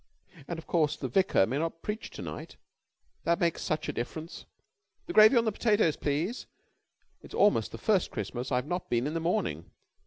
And, of course, the vicar may not preach to night. That makes such a difference. The gravy on the potatoes, please. It's almost the first Christmas I've not been in the morning.